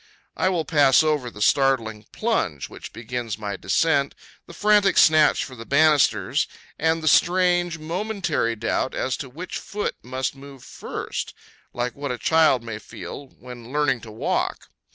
I will pass over the startling plunge which begins my descent, the frantic snatch for the banisters, and the strange, momentary doubt as to which foot must move first, like what a child may feel when learning to walk.